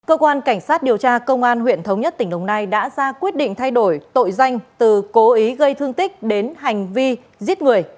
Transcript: cơ quan cảnh sát điều tra công an huyện thống nhất tỉnh đồng nai đã ra quyết định thay đổi tội danh từ cố ý gây thương tích đến hành vi giết người